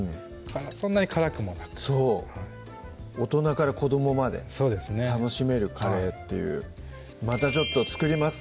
そんなに辛くもなくそう大人から子どもまで楽しめるカレーっていうまたちょっと作ります